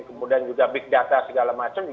kemudian juga big data segala macam